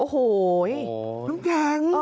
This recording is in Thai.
โอ้โฮน้องแข็ง